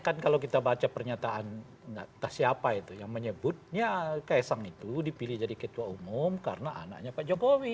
kan kalau kita baca pernyataan entah siapa itu yang menyebutnya ksang itu dipilih jadi ketua umum karena anaknya pak jokowi